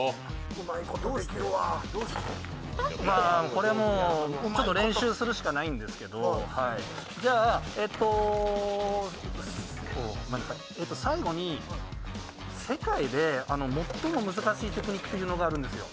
これも練習するしかないんですけど、最後に、世界で最も難しいテクニックがあるんですよ。